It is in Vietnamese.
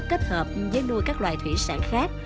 kết hợp với nuôi các loài thủy sản khác